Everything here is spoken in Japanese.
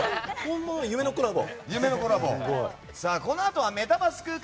夢のコラボ。